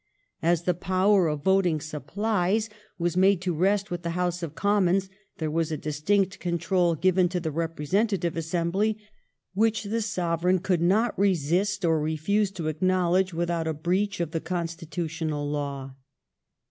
As the power of voting supplies was made to rest with the House of Commons there was a distinct control given to the representative assembly which the Sovereign could not resist or refuse to acknowledge without a breach of the constitutional law.